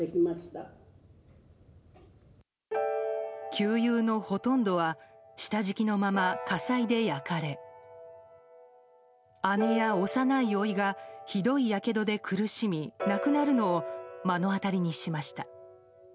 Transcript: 級友のほとんどは下敷きのまま火災で焼かれ姉や幼いおいがひどいやけどで苦しみ亡くなるのを目の当たりにしました。